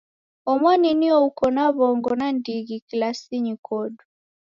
Omoni nio uko na w'ongo nandighi kilasinyi kodu.